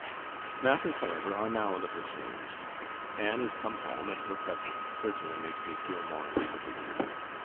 Matters, however, are now a little changed. Anne is come home, and her presence certainly makes me feel more at liberty.